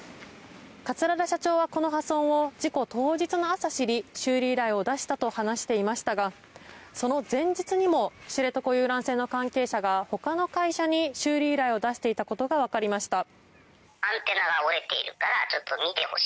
桂田社長はこの破損を事故当日の朝知り修理依頼を出したと話していましたがその前日にも知床遊覧船の関係者が他の会社に修理依頼を出していたことが分かりました。